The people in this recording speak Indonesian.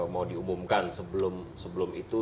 mau diumumkan sebelum itu